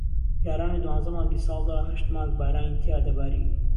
جاران لە دوانزە مانگی ساڵدا ھەشت مانگ بارانی تیا دەباری